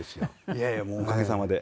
いやいやおかげさまで。